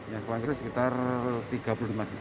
yang paling kecil sekitar tiga puluh lima juta